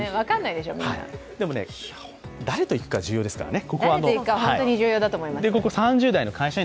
でも、誰と行くかは重要ですからね。